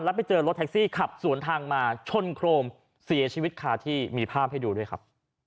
แล้วไปเจอรถแท็กซี่ขับสวนทางมาชนโครมเสียชีวิตคาที่มีภาพให้ดูด้วยครับ